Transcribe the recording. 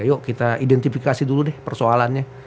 yuk kita identifikasi dulu deh persoalannya